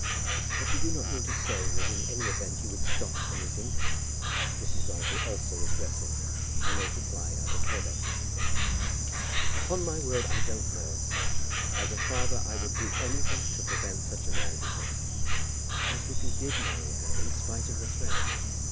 "But you do not mean to say that in any event you would stop Henry's income?" Mrs. Grantly also was dressing, and made reply out of her bedroom. "Upon my word, I don't know. As a father I would do anything to prevent such a marriage as that." "But if he did marry her in spite of the threat?